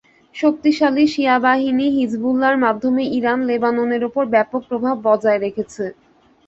শক্তিশালী শিয়া বাহিনী হিজবুল্লাহর মাধ্যমে ইরান লেবাননের ওপর ব্যাপক প্রভাব বজায় রেখেছে।